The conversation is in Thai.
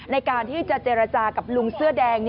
ในการที่จะเจรจากับลุงเสื้อแดง